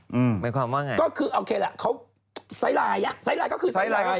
หมายความว่าอย่างไรก็คือโอเคแหละไซไลน์ก็คือไซไลน์